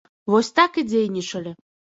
Вось так і дзейнічалі.